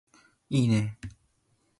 いいね